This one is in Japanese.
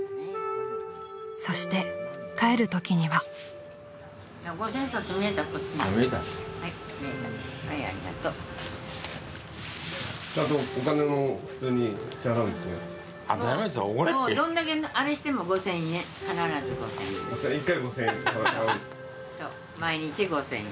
［そして帰るときには］１回５，０００円。